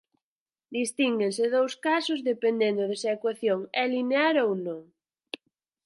Distínguense dous casos dependendo de se a ecuación é linear ou non.